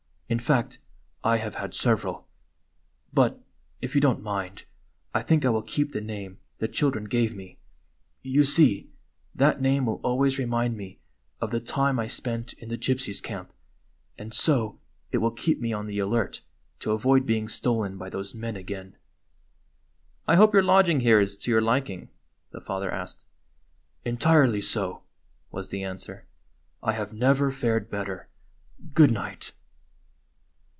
In fact, I have had several. But, if you don't mind, I think I will keep the name the children gave IOI GYPSY, THE TALKING DOG me. You see, tliat name will always remind me of the time I spent in the Gypsies' camp, and so it will keep me on the alert to avoid being stolen by those men again." "I hope your lodging here is to your liking?" the father asked. "Entirely so," was the answer. "I have never fared better. Good night."